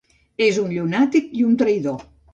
És un llunàtic i un traïdor.